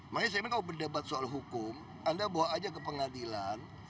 makanya saya bilang kalau berdebat soal hukum anda bawa aja ke pengadilan